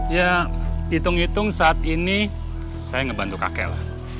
ya hitung hitung saat ini saya ngebantu kakek lah